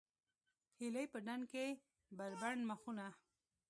هیلۍ په ډنډ کې بربنډ مخونه